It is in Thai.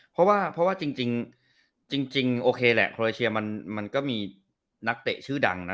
เพราะว่าเพราะว่าจริงโอเคแหละโครเชียมันก็มีนักเตะชื่อดังนะ